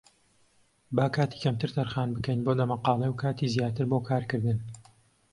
با کاتی کەمتر تەرخان بکەین بۆ دەمەقاڵێ و کاتی زیاتر بۆ کارکردن.